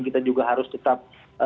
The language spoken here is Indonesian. kita juga harus tetap